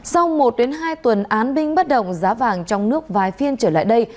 sau một hai tuần án binh bất động giá vàng trong nước vài phiên trở lại đây